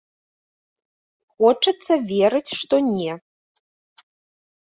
Хочацца верыць, што не.